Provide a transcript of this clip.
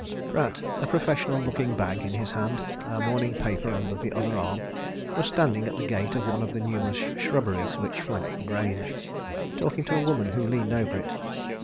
Pratt, a professional looking bag in his hand, a morning newspaper under the other arm, was standing at the gate of one of the numerous shrubberies which flanked the Grange, talking to a woman who leaned over it.